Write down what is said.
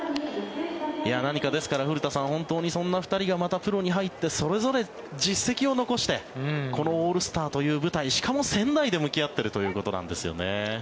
ですから、古田さんそんな２人がまたプロに入ってそれぞれ実績を残してこのオールスターという舞台しかも仙台で向き合っているということなんですよね。